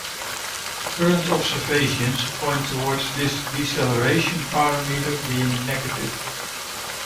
Current observations point towards this deceleration parameter being negative.